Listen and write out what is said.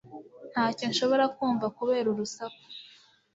Ntacyo nshobora kumva kubera urusaku